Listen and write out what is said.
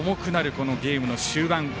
このゲームの終盤。